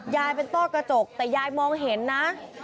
ยายเป็นต้อกระจกแต่ยายมองเห็นนะ